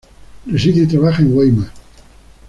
Reside y trabaja en Weimar.